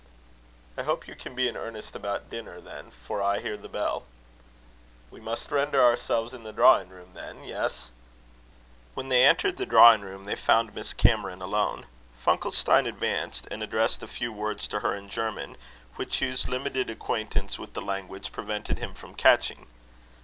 "I hope you can be in earnest about dinner, then, for I hear the bell." "We must render ourselves in the drawing room, then? Yes." When they entered the drawing room, they found Miss Cameron alone. Funkelstein advanced, and addressed a few words to her in German, which Hugh's limited acquaintance with the language prevented him from catching.